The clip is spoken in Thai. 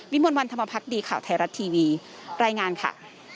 มวลวันธรรมพักดีข่าวไทยรัฐทีวีรายงานค่ะ